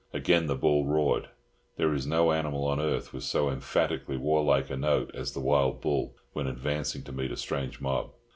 Again the bull roared; there is no animal on earth with so emphatically warlike a note as the wild bull when advancing to meet a strange mob.